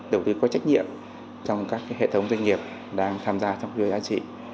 đầu tư có trách nhiệm trong các hệ thống doanh nghiệp đang tham gia trong cơ giới giá trị